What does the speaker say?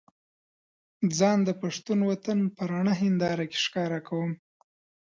ځان د پښتون وطن په رڼه هينداره کې ښکاره کوم.